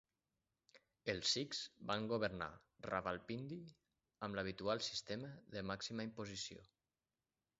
Els sikhs van governar Rawalpindi amb l'habitual sistema de màxima imposició.